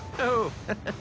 ハハハ。